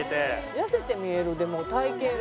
痩せて見えるでも体形が。